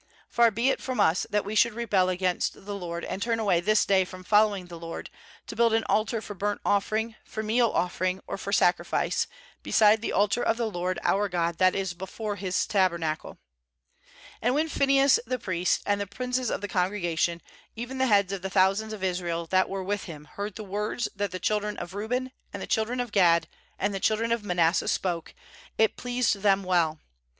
29Far be it from us that we should rebel against the LORD, and turn away this day from following the LORD, to build an altar for burnt offering, for meal offering, or for sacrifice, besides the altar of the LORD our God that is before His tabernacle/ s°And when Phmehas the priest, and the princes of the congregation, even the heads of the thousands of Israel that were with him, heard the words that the children of Reuben and the children of Gad and the children of Manasseh spoke, it pleased them well.